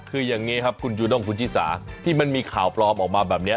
คือยังไงครับคุณหยุดงคุณจิสาที่มันมีข่าวปลอมออกมาแบบนี้